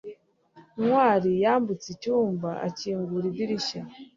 ntwali yambutse icyumba akingura idirishya